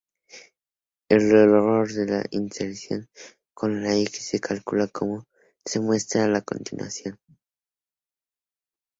El error en la intersección con x se calcula como se muestra a continuación.